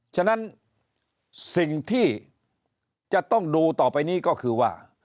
ฉะนั้นสิ่งที่จะต้องดูต่อไปนี้ก็คือว่า